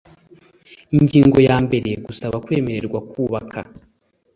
Ingingo ya mbere Gusaba kwemererwa kubaka